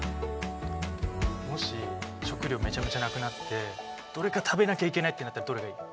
もし食糧めちゃめちゃなくなってどれか食べなきゃいけないってなったらどれがいい？